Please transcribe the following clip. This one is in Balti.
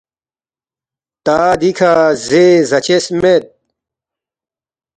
تا دیکھہ زے زاچس مید